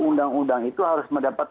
undang undang itu harus mendapat